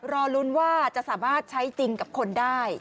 รอลุ้นว่าจะสามารถใช้จริงกับคนได้